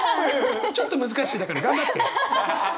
ちょっと難しいだから頑張って。